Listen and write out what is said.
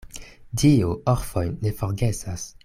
Dio orfojn ne forgesas.